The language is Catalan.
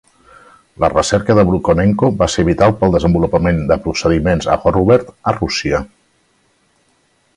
La recerca de Brukhonenko va ser vital pel desenvolupament de procediments a cor obert a Rússia.